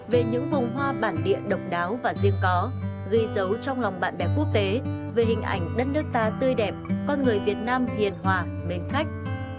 về những vùng hoa bản địa độc đáo và riêng có ghi dấu trong lòng bạn bè quốc tế về hình ảnh đất nước ta tươi đẹp con người việt nam hiền hòa mến khách